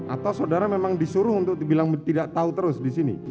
atau saudara memang disuruh untuk dibilang tidak tahu terus di sini